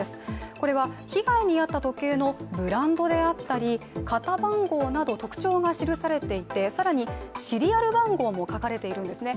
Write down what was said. これは被害に遭った時計のブランドであったり型番号など特徴が記されていて、更にシリアル番号も書かれているんですね。